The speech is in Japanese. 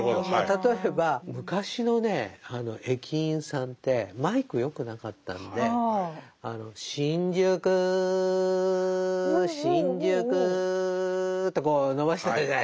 例えば昔のね駅員さんってマイクよくなかったんで「新宿新宿」ってこう伸ばしてたじゃないですか。